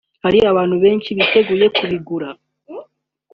hari abantu benshi biteguye kubigura